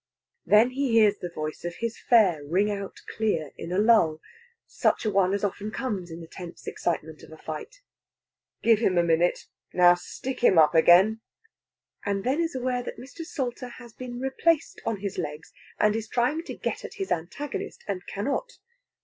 Then he hears the voice of his fare ring out clear in a lull such a one as often comes in the tense excitement of a fight. "Give him a minute.... Now stick him up again!" and then is aware that Mr. Salter has been replaced on his legs, and is trying to get at his antagonist, and cannot.